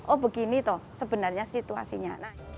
oh begini toh sebenarnya situasinya